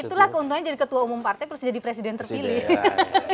berarti harus jadi presiden terpilih